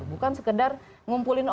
bukan sekedar ngumpulin